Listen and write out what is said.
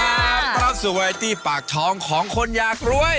พระสวยที่ปากท้องของคนอยากรวย